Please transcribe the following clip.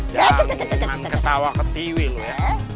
dan mengetawa ketiwi lu ya